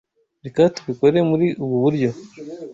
Reka tubikore muri ubu buryo.